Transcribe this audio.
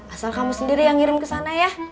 asal kamu sendiri yang ngirim kesana ya